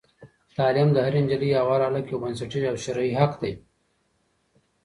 تعلیم د هرې نجلۍ او هر هلک یو بنسټیز او شرعي حق دی.